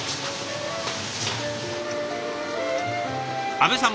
阿部さん